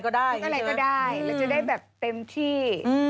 ยุคอะไรก็ได้แล้วจะได้แบบเต็มที่